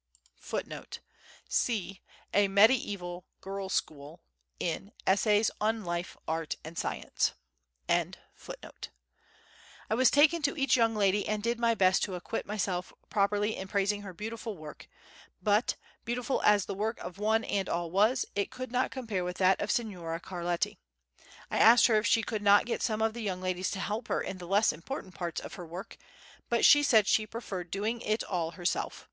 I was taken to each young lady and did my best to acquit myself properly in praising her beautiful work but, beautiful as the work of one and all was, it could not compare with that of Signora Carletti. I asked her if she could not get some of the young ladies to help her in the less important parts of her work, but she said she preferred doing it all herself.